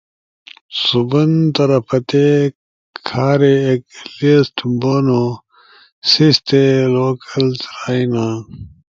سُوبن طرفتے کھارے ایک لسٹ بونو سیستے لوکلز رائینا۔